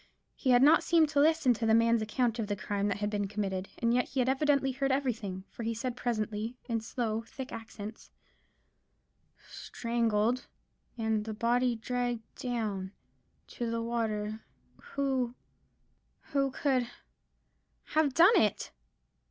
He had not seemed to listen to the man's account of the crime that had been committed, and yet he had evidently heard everything; for he said presently, in slow, thick accents,— "Strangled—and the body dragged down—to the water Who—who could—have done it?"